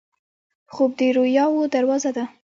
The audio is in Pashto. خوب د رویاوو دروازه ده